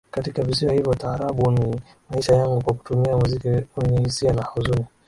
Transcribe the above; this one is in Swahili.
katika visiwa hivyo Taarabu ni maisha yangu Kwa kutumia muziki wenye hisia na huzuni